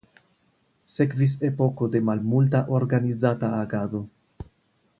Sekvis epoko de malmulta organizata agado.